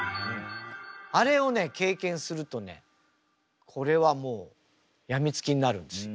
あれをね経験するとねこれはもうやみつきになるんですよ。